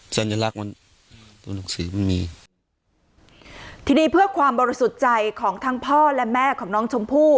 สัญลักษณ์มันตัวหนังสือมันมีทีนี้เพื่อความบริสุทธิ์ใจของทั้งพ่อและแม่ของน้องชมพู่